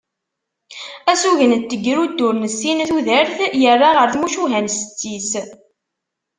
Asugen n tegrudt ur nessin tudert yerra ɣer tmucuha n setti-s.